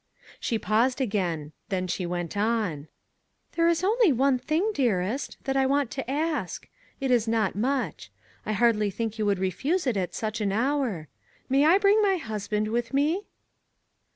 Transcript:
She paused again then she went on. "There is only one thing, dearest, that I want to ask. It is not much. I hardly think you would refuse it at such an hour. May I bring my husband with me?"